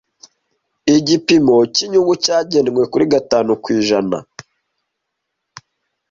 Igipimo cyinyungu cyagenwe kuri gatanu ku ijana.